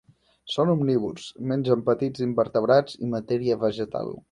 Són omnívors: mengen petits invertebrats i matèria vegetal.